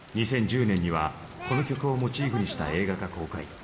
２０１０年にはこの曲をモチーフにした映画が公開。